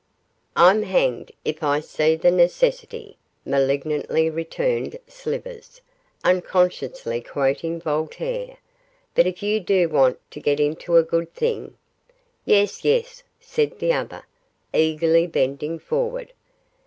'I'm hanged if I see the necessity,' malignantly returned Slivers, unconsciously quoting Voltaire; 'but if you do want to get into a good thing ' 'Yes! yes!' said the other, eagerly bending forward.